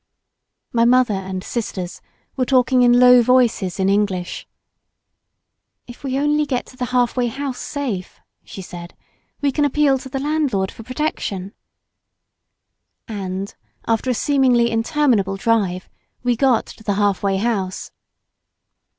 My mother and sisters were talking in low voices in English. "If we only get to the half way house safe," she said, " we can appeal to the landlord for protection," and after a seemingly interminable drive we got to the half way house.